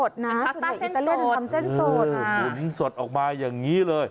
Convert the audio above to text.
หลุมสดออกมาอย่างนี้เลย